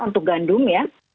untuk gandum ya